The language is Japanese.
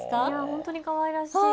本当にかわいらしい。